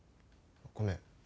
ごめん。